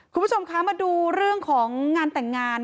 คุณผู้ชมคะมาดูเรื่องของงานแต่งงาน